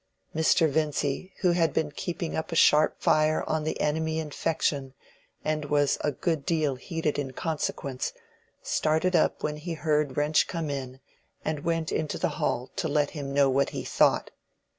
Mr. Vincy, who had been keeping up a sharp fire on the enemy Infection, and was a good deal heated in consequence, started up when he heard Wrench come in, and went into the hall to let him know what he thought.